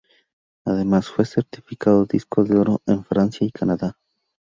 Además, fue certificado disco de oro en Francia y Canadá.